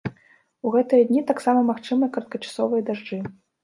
У гэтыя дні таксама магчымыя кароткачасовыя дажджы.